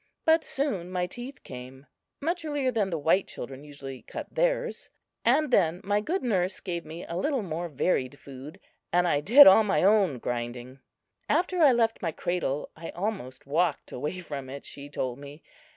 But soon my teeth came much earlier than the white children usually cut theirs; and then my good nurse gave me a little more varied food, and I did all my own grinding. After I left my cradle, I almost walked away from it, she told me.